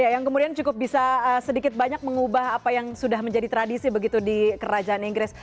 yang kemudian cukup bisa sedikit banyak mengubah apa yang sudah menjadi tradisi begitu di kerajaan inggris